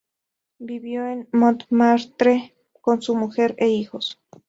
Vivió en Montmartre con su mujer e hijos.